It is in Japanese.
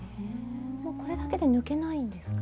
もうこれだけで抜けないんですか？